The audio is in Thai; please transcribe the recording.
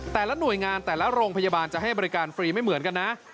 แต่ละหน่วยงานแต่ละโรงพยาบาลจะให้บริการฟรีไม่เหมือนกันนะ